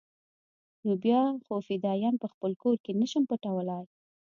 نو بيا خو فدايان په خپل کور کښې نه شم پټولاى.